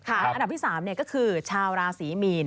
อันดับที่๓ก็คือชาวราศรีมีน